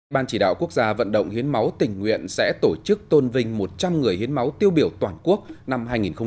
ban chỉ đạo quốc gia vận động hiến máu tình nguyện sẽ tổ chức tôn vinh một trăm linh người hiến máu tiêu biểu toàn quốc năm hai nghìn một mươi chín